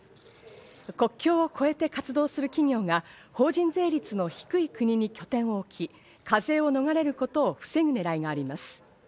国境を越えて活動する企業が法人税率の低い国に拠点を置き、課税を逃れることを防ぐ狙いがあります。